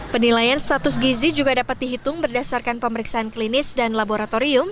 penilaian status gizi juga dapat dihitung berdasarkan pemeriksaan klinis dan laboratorium